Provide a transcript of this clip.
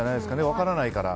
分からないから。